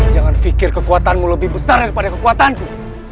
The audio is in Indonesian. jangan pikir kekuatanmu lebih besar daripada kekuatanku